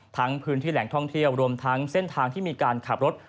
พื้นที่แหล่งท่องเที่ยวรวมทั้งเส้นทางที่มีการขับรถ